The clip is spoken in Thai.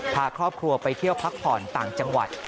พาครอบครัวไปเที่ยวพักผ่อนต่างจังหวัด